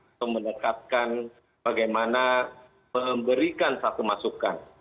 atau mendekatkan bagaimana memberikan satu masukan